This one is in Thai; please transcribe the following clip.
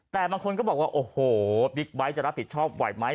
แต่บางคนก็บอกว่าโอ้โหบิ๊กไบท์จะรับผิดชอบไหวไหม